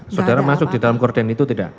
saudara masuk di dalam korden itu tidak